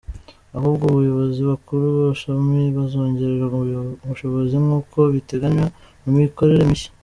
Ahubwo abayobozi bakuru b’amashami bazongererwa ubushobozi, nk’uko biteganywa mu mikorere mishya.